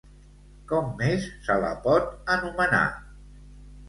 Com més se la pot anomenar?